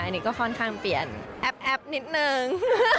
อันนี้ก็ค่อนข้างเปลี่ยนแอปนิดนึง